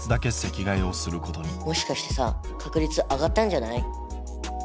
もしかしてさ確率上がったんじゃない？